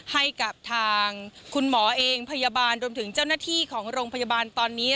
ให้กับทางคุณหมอเองพยาบาลรวมถึงเจ้าหน้าที่ของโรงพยาบาลตอนนี้